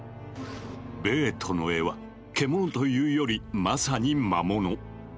ベートの絵は獣というよりまさに魔物。